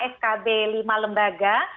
skb lima lembaga